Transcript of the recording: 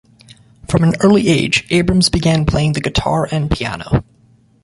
From an early age, Abrams began playing the guitar and piano.